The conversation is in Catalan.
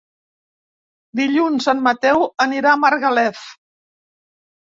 Dilluns en Mateu anirà a Margalef.